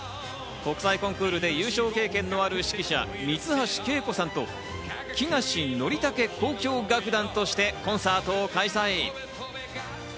国際コンクールで優勝経験のある指揮者・三ツ橋敬子さんと木梨憲武交響楽団としてコンサートを開催。